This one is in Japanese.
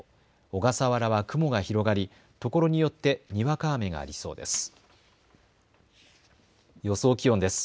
小笠原は雲が広がり、ところによってにわか雨がありそうです。